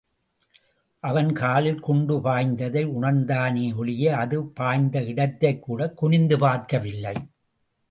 அவன் காலில் குண்டு பாய்ந்ததை உணர்ந்தானேயொழிய அது பாய்ந்த இடத்தைக் கூடக் குனிந்து பார்க்கவில்லை.